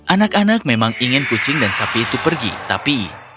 anak anak memang ingin kucing dan sapi itu pergi tapi